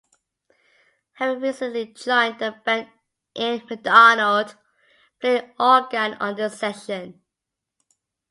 Having recently joined the band Ian McDonald played organ on this session.